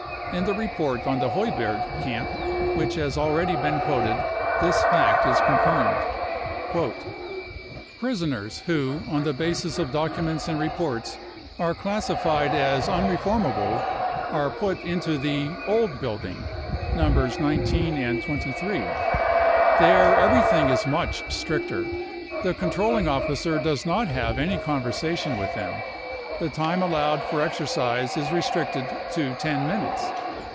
In the report on the Heuberg camp which has already been quoted this fact is confirmed :" Prisoners who on the basis of documents and reports are classed as unreformable are put into the " old building, 55 numbers 19 and 23. There everything is much stricter. The controlling officer does not have any conversation with them. The time allowed for exer cise is restricted to ten minutes.